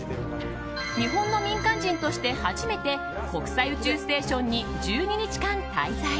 日本の民間人として初めて国際宇宙ステーションに１２日間滞在。